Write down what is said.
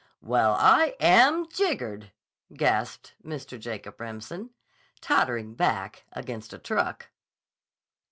"Well, I am jiggered!" gasped Mr. Jacob Remsen, tottering back against a truck.